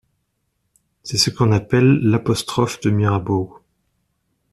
C'est ce qu'on appelle l'apostrophe de Mirabeau.